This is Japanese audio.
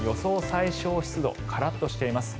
最小湿度カラッとしています。